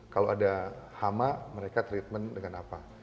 kalau ada hama mereka treatment dengan apa